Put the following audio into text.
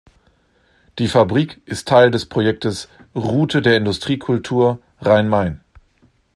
Die Fabrik ist Teil des Projektes Route der Industriekultur Rhein-Main.